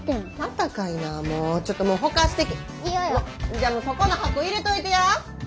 じゃもうそこの箱入れといてや。